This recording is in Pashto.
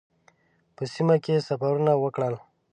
په سیمه کې سفرونه وکړل.